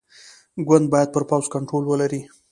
ګوند باید پر پوځ کنټرول ولري.